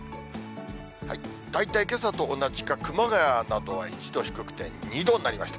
大体けさと同じか、熊谷などは１度低くて、２度になりました。